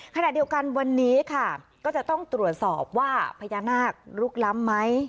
ขณะเดียวกันวันนี้ค่ะก็จะต้องตรวจสอบว่าพญานาคลุกล้ำไหม